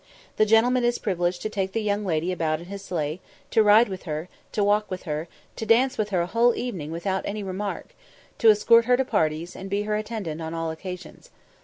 The gentleman is privileged to take the young lady about in his sleigh, to ride with her, to walk with her, to dance with her a whole evening without any remark, to escort her to parties, and be her attendant on all occasions.